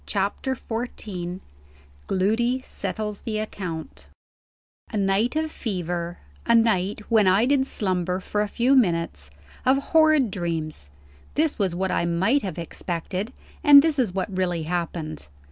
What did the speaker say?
CHAPTER XIV GLOODY SETTLES THE ACCOUNT A night of fever; a night, when I did slumber for a few minutes, of horrid dreams this was what I might have expected, and this is what really happened.